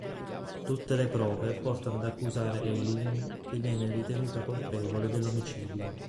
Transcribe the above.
Tutte le prove portano ad accusare Eileen che viene ritenuta colpevole dell'omicidio.